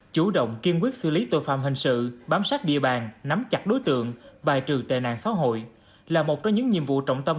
chủ động kiên quyết xử lý tội phạm hình sự bám sát địa bàn nắm chặt đối tượng bài trừ tệ nạn xã hội là một trong những nhiệm vụ trọng tâm